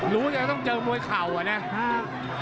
รู้จะต้องเจอมวยเข่าอ่ะเนี่ย